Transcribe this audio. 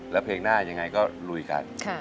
แล้วเพลงหน้ายังไงก็ลุยกัน